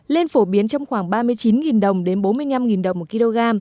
lên phổ biến trong khoảng ba mươi chín đồng đến bốn mươi năm đồng một kg